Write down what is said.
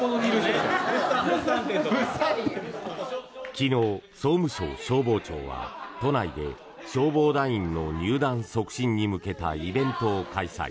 昨日、総務省消防庁は都内で消防団員の入団促進に向けたイベントを開催。